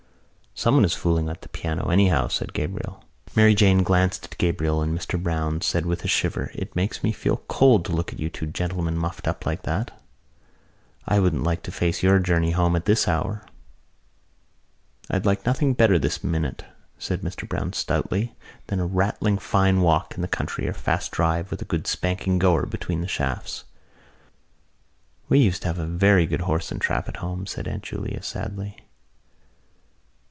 "Someone is fooling at the piano anyhow," said Gabriel. Mary Jane glanced at Gabriel and Mr Browne and said with a shiver: "It makes me feel cold to look at you two gentlemen muffled up like that. I wouldn't like to face your journey home at this hour." "I'd like nothing better this minute," said Mr Browne stoutly, "than a rattling fine walk in the country or a fast drive with a good spanking goer between the shafts." "We used to have a very good horse and trap at home," said Aunt Julia sadly.